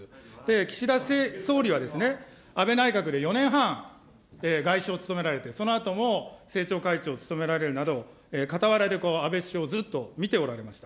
岸田総理は、安倍内閣で４年半、外相を務められて、そのあとも政調会長を務められるなど、傍らで安倍首相をずっと見ておられました。